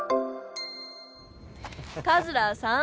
カズラーさん！